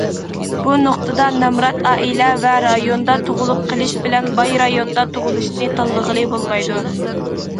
بۇ نۇقتىدا، نامرات ئائىلە ۋە رايوندا تۇغۇلۇپ قېلىش بىلەن باي رايوندا تۇغۇلۇشىنى تاللىغىلى بولمايدۇ.